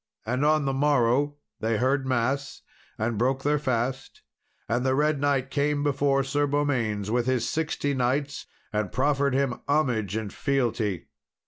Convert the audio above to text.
And on the morrow, they heard mass and broke their fast, and the Red Knight came before Sir Beaumains, with his sixty knights, and proffered him homage and fealty.